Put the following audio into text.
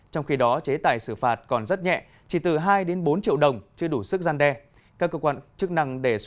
trong khi đó chế tải xử phạt còn rất nhẹ chỉ từ hai bốn triệu đồng chưa đủ sức gian đe